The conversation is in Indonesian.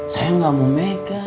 saya gak mau megang